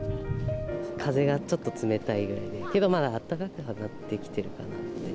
風がちょっと冷たいぐらいで、けどまあ、あったかくはなってきてるかなって。